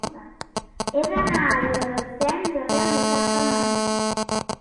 He d'anar a Viladasens a peu dissabte al matí.